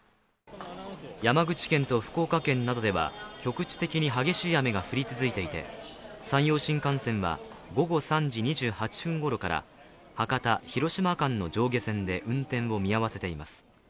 山口県と福岡県などでは局地的に激しい雨が降り続いていて、山陽新幹線は午後３時２８分ごろから博多−広島間の上下線で運転を見合わせています。